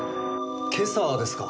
今朝ですか。